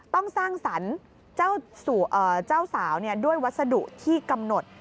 ต้องสร้างสรรค์เจ้าสาวด้วยวัสดุที่กำหนด